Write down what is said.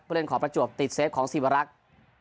เล่นขอประจวบติดเซฟของสิวรักษ์